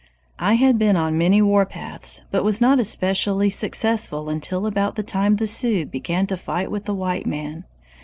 "I had been on many warpaths, but was not especially successful until about the time the Sioux began to fight with the white man.